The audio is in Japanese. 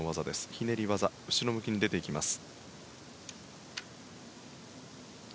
ひねり技後ろ向きに出て行きます。